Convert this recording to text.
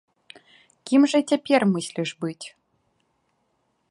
Кім жа цяпер мысліш быць?